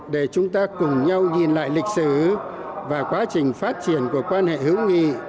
để chúng ta cùng nhau nhìn lại lịch sử và quá trình phát triển của quan hệ hữu nghị